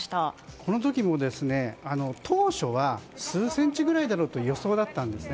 この時も当初は数センチくらいだろうという予想だったんですね。